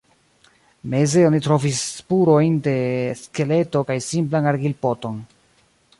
Meze oni trovis spurojn de skeleto kaj simplan argilpoton.